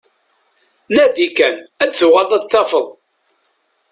Nadi kan, ad tuɣaleḍ ad t-tafeḍ.